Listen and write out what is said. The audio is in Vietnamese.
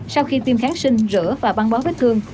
sau khi tiêm kháng sinh rửa và băng bó vết thương